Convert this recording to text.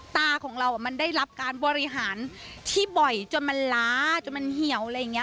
ตาของเรามันได้รับการบริหารที่บ่อยจนมันล้าจนมันเหี่ยวอะไรอย่างนี้